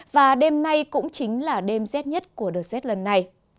và đêm nay cũng chính là đêm rét nhất của đợt rét lần này